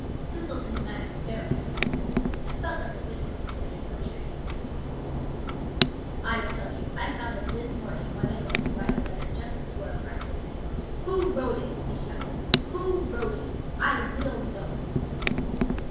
Twistleton's manner was very impressive. I felt like a witness committing perjury. " I tell you, I found it this morning when I went to write a letter just before breakfast. Who wrote it?" he shouted. "Who wrote it? I will know."